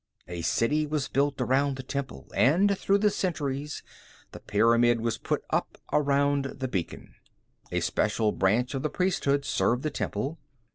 A city was built around the temple and, through the centuries, the pyramid was put up around the beacon. A special branch of the priesthood served the temple.